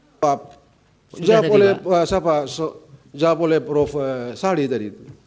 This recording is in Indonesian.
jawab oleh prof sari tadi